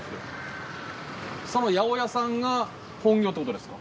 その八百屋さんが本業ってことですか？